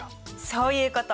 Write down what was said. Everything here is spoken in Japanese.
そういうこと！